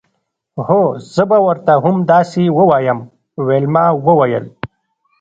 هو زه به ورته همداسې ووایم ویلما وویل